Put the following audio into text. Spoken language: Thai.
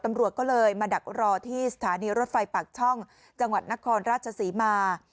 ตำรวจก็เลยมาดักรอที่สถานีรถไฟปากช่องจังหวัดนครราชศรีมา